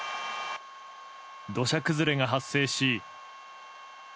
土砂崩れが発生し。